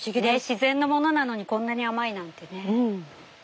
自然のものなのにこんなに甘いなんてね。